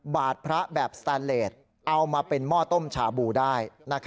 บาทพระแบบสแตนเลสเอามาเป็นหม้อต้มชาบูได้